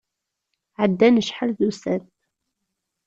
Ɛeddan acḥal d ussan.